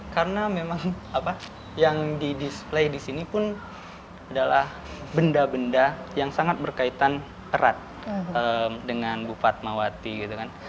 karena memang apa yang di display di sini pun adalah benda benda yang sangat berkaitan erat dengan bupat mawati gitu kan